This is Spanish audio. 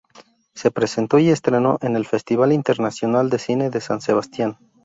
Se presentó y estrenó en el Festival Internacional de Cine de San Sebastián